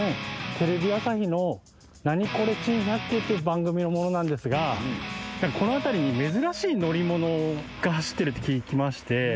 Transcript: テレビ朝日の『ナニコレ珍百景』っていう番組の者なんですがこの辺りに珍しい乗り物が走ってるって聞きまして。